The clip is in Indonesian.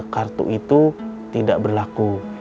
kartu itu tidak berlaku